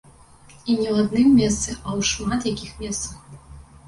І не ў адным месцы, а ў шмат якіх месцах.